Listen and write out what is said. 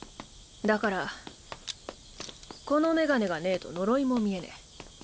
だからこの眼鏡がねぇと呪いも見えねぇ。